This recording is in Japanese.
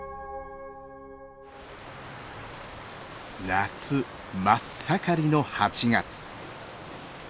夏真っ盛りの８月。